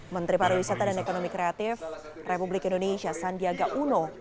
menteri pariwisata dan ekonomi kreatif republik indonesia sandiaga uno